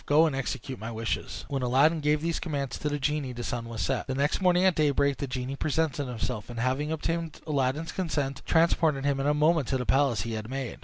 Go and execute my wishes." When Aladdin gave these commands to the genie the sun was set. The next morning at daybreak the genie presented himself, and having obtained Aladdin's consent, transported him in a moment to the palace he had made.